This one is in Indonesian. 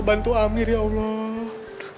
bantu amir ya allah